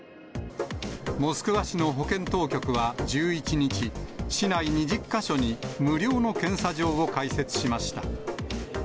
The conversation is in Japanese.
モスクワ市の保健当局は１１日、市内２０か所に無料の検査場を開設しました。